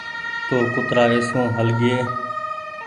تو ڪترآ اي سون هل گيئي